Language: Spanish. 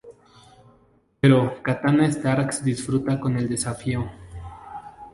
Pero Catana Starks disfruta con el desafío.